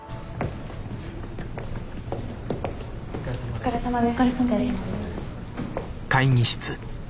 お疲れさまです。